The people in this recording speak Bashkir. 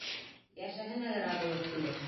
Йәшәһен әле Радулов, тинек.